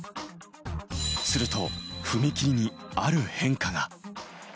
すると踏み切りにある変化が。